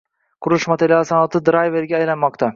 Qurilish materiallari sanoati “drayver”ga aylanmoqda